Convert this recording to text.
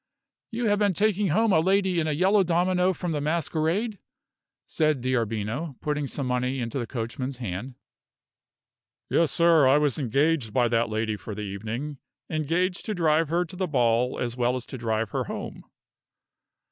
"You have been taking home a lady in a yellow domino from the masquerade?" said D'Arbino, putting some money into the coachman's hand. "Yes, sir; I was engaged by that lady for the evening engaged to drive her to the ball as well as to drive her home."